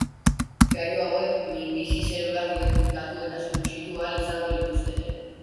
Gailu hauek minbizi-zelulak identifikatu eta suntsitu ahal izango lituzkete.